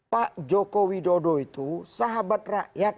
pak jokowi dodo itu sahabat rakyat